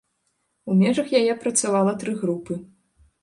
У межах яе працавалі тры групы.